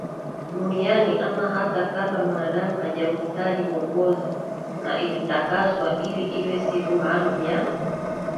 duniani ama hata kabla Mwanadamu hajamwitaji Mwokozi na ilitakaswa ili iwe siku Maalum ya